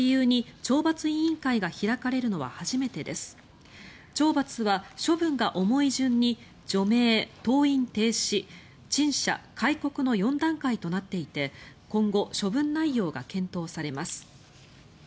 懲罰は処分が重い順に除名、登院停止、陳謝、戒告の４段階となっていて今後、処分内容が検討されます。